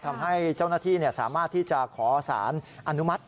ทำให้เจ้าหน้าที่สามารถที่จะขอสารอนุมัติ